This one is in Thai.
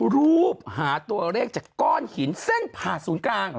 รูปหาตัวเลขจากก้อนหินเส้นผ่าศูนย์กลาง